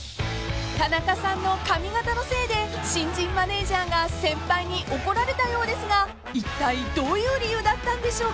［田中さんの髪形のせいで新人マネージャーが先輩に怒られたようですがいったいどういう理由だったんでしょうか？］